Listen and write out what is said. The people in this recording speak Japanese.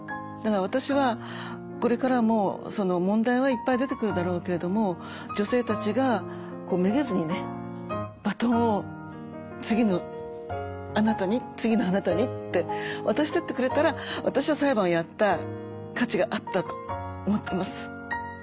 だから私はこれからも問題はいっぱい出てくるだろうけれども女性たちがめげずにねバトンを次のあなたに次のあなたにって渡していってくれたら私は裁判をやった価値があったと思ってます。